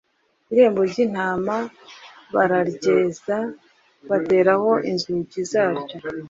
irembo ry intama bararyeza bateraho inzugi zaryo